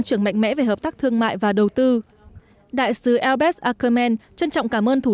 trưởng mạnh mẽ về hợp tác thương mại và đầu tư đại sứ elbes ackerman trân trọng cảm ơn thủ